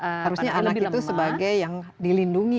harusnya anak itu sebagai yang dilindungi